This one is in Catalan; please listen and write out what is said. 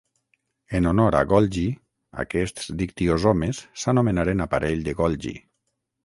En honor a Golgi aquests dictiosomes s'anomenaren aparell de Golgi.